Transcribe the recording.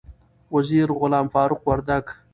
وزیر غلام فاروق وردک